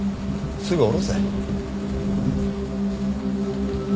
すぐ堕ろせ。